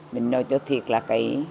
mình nhồi cho thiệt là kỹ